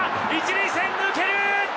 １塁線、抜けた！